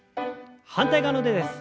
反対側の腕です。